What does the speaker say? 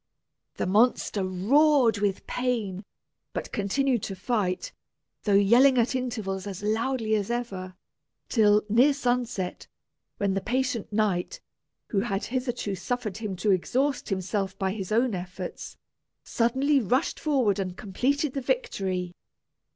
The monster roared with pain, but continued to fight, though yelling at intervals as loudly as ever, till near sunset, when the patient knight, who had hitherto suffered him to exhaust himself by his own efforts, suddenly rushed forward and completed the victory!